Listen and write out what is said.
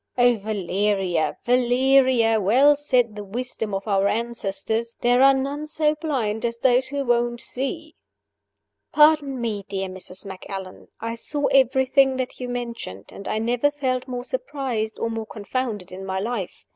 Oh, Valeria! Valeria! Well said the wisdom of our ancestors there are none so blind as those who won't see." "Pardon me, dear Mrs. Macallan, I saw everything that you mention, and I never felt more surprised or more confounded in my life.